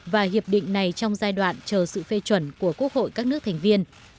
và hiệp định này trong giai đoạn chờ sự phê chuẩn của quốc hội các nước thành viên